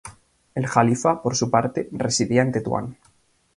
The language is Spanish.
El jalifa, por su parte, residía en Tetuán.